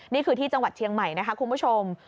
นี่คือที่จังหวัดเชียงใหม่นะคะคุณผู้ชม